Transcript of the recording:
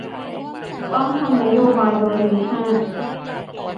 ต้องทำนโยบาย โดยมี ห้า